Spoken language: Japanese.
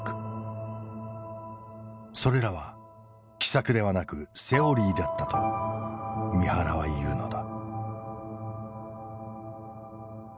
それらは奇策ではなくセオリーだったと三原は言うのだ。